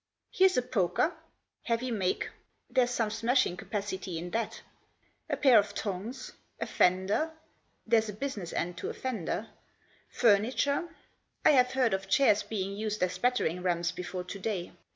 Here's a poker, heavy make — there's some smashing capacity in that ; a pair of tongs ; a fender — there's a business end to a fender ; furniture — I have heard of chairs being used as battering rams before to day.